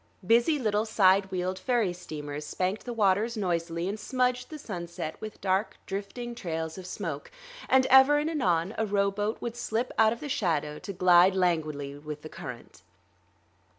Busy little side wheeled ferry steamers spanked the waters noisily and smudged the sunset with dark drifting trails of smoke; and ever and anon a rowboat would slip out of shadow to glide languidly with the current.